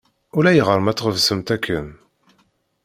Ulayɣer ma tɣeṣbemt akken.